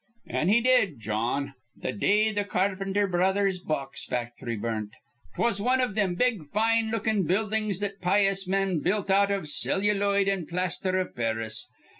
"An' he did, Jawn. Th' day th' Carpenter Brothers' box factory burnt. 'Twas wan iv thim big, fine lookin' buildings that pious men built out iv celluloid an' plasther iv Paris.